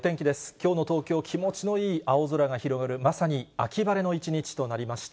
きょうも東京、気持ちのいい青空が広がる、まさに秋晴れの一日となりました。